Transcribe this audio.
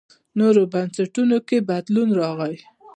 نورو بنسټونو کې بدلون راغی.